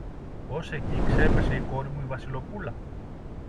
Ως εκεί ξέπεσε η κόρη μου η Βασιλοπούλα;